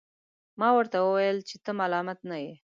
ما ورته وویل چي ته ملامت نه یې.